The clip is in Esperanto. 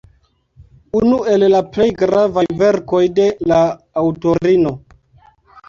Unu el la plej gravaj verkoj de la aŭtorino.